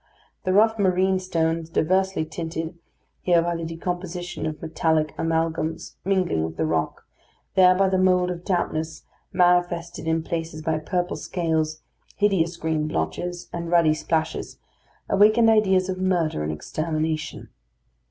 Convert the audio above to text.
The rough marine stones, diversely tinted here by the decomposition of metallic amalgams mingling with the rock, there by the mould of dampness, manifested in places by purple scales, hideous green blotches, and ruddy splashes, awakened ideas of murder and extermination.